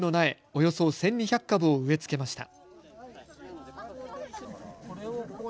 およそ１２００株を植え付けました。